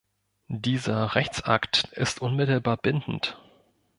Dieser Rechtsakt ist unmittelbar bindend.